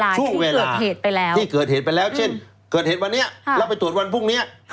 ช่วงเวลาเกิดเหตุไปแล้วที่เกิดเหตุไปแล้วเช่นเกิดเหตุวันนี้แล้วไปตรวจวันพรุ่งนี้